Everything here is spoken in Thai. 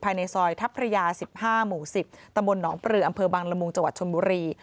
ภายในซอยทัพพระยา๑๕หมู่๑๐ตนปรืออบังลมูงจชนบุรี